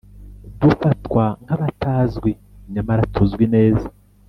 dufatwa nk abatazwi nyamara tuzwi neza